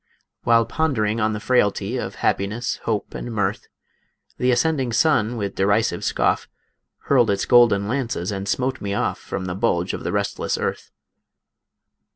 While pondering on the frailty Of happiness, hope, and mirth, The ascending sun with derisive scoff Hurled its golden lances and smote me off From the bulge of the restless earth.